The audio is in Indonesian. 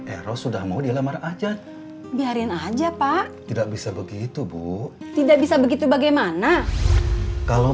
eros sudah mau dilamar aja biarin aja pak tidak bisa begitu bu tidak bisa begitu bagaimana kalau